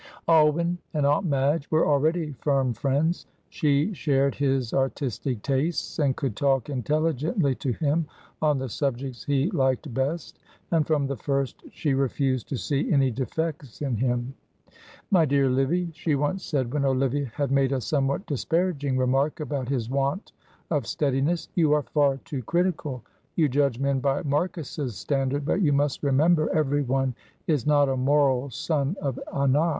Alwyn and Aunt Madge were already firm friends. She shared his artistic tastes and could talk intelligently to him on the subjects he liked best, and from the first she refused to see any defects in him. "My dear Livy," she once said when Olivia had made a somewhat disparaging remark about his want of steadiness, "you are far too critical. You judge men by Marcus's standard, but you must remember every one is not a moral son of Anak.